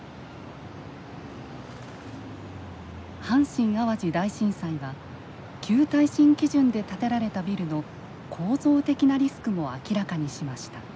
阪神・淡路大震災は旧耐震基準で建てられたビルの構造的なリスクも明らかにしました。